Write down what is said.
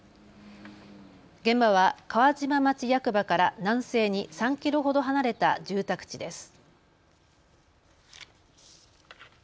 現場は川島町役場から南西に３キロほど離れた住宅地です。